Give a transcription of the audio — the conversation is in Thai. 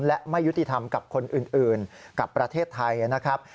และไม่ยุติธรรมกับคนอื่นกับประเทศไทยนะครับ